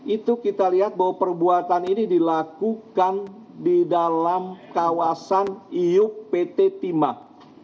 itu kita lihat bahwa perbuatan ini dilakukan di dalam kawasan iup pt timah